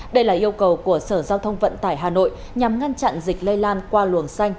đây là yêu cầu của sở giao thông vận tải hà nội nhằm ngăn chặn dịch lây lan qua luồng xanh